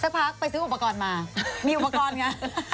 พักไปซื้ออุปกรณ์มามีอุปกรณ์ไง